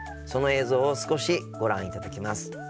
その映像を少しご覧いただきます。